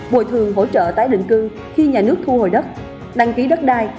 bồi thường hỗ trợ tái định cư khi nhà nước thu hồi đất đăng ký đất đai